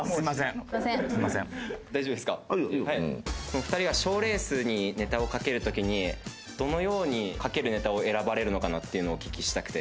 お二人は賞レースにネタをかける時にどのようにかけるネタを選ばれるのかなっていうのをお聞きしたくて。